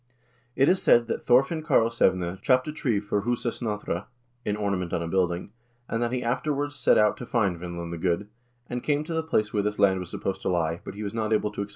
It is said that Thorfinn Karlsevne chopped a tree for a husa snotra (an ornament on a building), and that he afterwards set out to find Vin land the Good, and came to the place where this land was supposed to lie, but he was not able to explore it, and did not establish himself there.